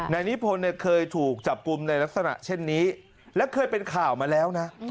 นายนิพนธ์เนี่ยเคยถูกจับกลุ่มในลักษณะเช่นนี้และเคยเป็นข่าวมาแล้วนะ